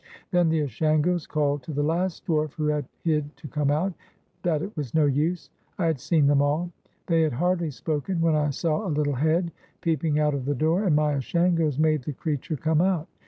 Then the Ashangos called to the last dwarf who had hid to come out; that it was no use, I had seen them all. They had hardly spoken when I saw a little head peep ing out of the door, and my Ashangos made the creature come out.